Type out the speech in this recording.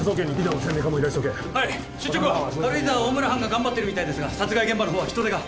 軽井沢は大村班が頑張ってるみたいですが殺害現場の方は人手が。